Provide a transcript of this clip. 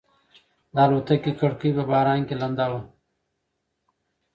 د الوتکې کړکۍ په باران کې لنده وه.